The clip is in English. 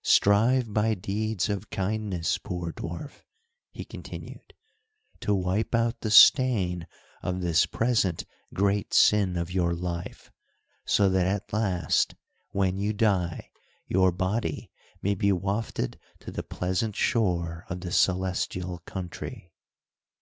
"Strive by deeds of kindness, poor dwarf," he continued, "to wipe out the stain of this present great sin of your life, so that at last, when you die, your body may be wafted to the pleasant shore of the celestial country."